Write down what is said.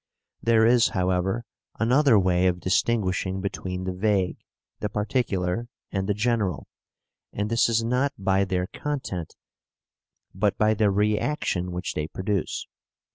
There is, however, another way of distinguishing between the vague, the particular and the general, and this is not by their content, but by the reaction which they produce.